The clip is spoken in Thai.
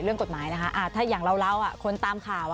เรื่องกฎหมายนะคะถ้าอย่างเราคนตามข่าว